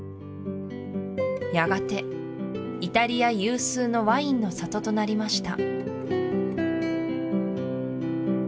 やがてイタリア有数のワインの里となりました